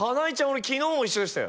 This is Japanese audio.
俺昨日も一緒でしたよ